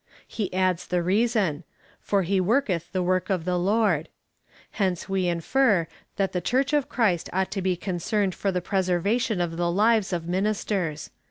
He adds the reason — for he luorketh the luork of the Lord. Hence we infer, that the Church of Christ ought to be con cerned for the preservation of the lives of ministers.